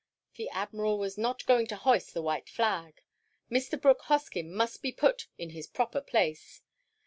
The Admiral was not going to hoist the white flag. Mr. Brooke Hoskyn must be put in his proper place.